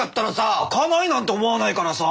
開かないなんて思わないからさぁ。